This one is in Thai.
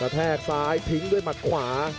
แทกซ้ายทิ้งด้วยหมัดขวา